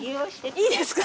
いいですか？